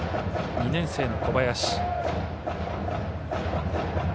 ２年生の小林。